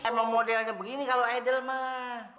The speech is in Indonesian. emang modelnya begini kalo edel mah